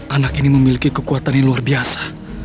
anak ini memiliki kekuatan yang luar biasa